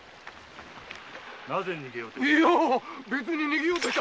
なぜ逃げようとした？